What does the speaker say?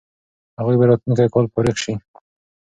هغوی به راتلونکی کال فارغ سي.